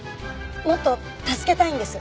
もっと助けたいんです。